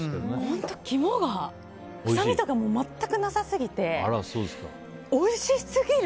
本当、肝が臭みとか全くなさ過ぎておいしすぎる。